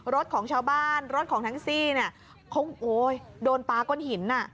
รถของชาวบ้านรถของทั้งซี่น่ะโอ๊ยโดนปลาก้นหินน่ะ